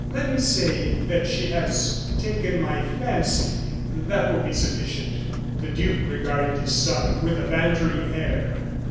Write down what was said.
Let me say that she has taken my fancy; that will be sufficient." The duke regarded his son with a bantering air.